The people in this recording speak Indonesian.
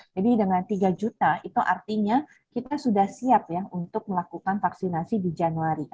jadi dengan tiga juta itu artinya kita sudah siap untuk melakukan vaksinasi di januari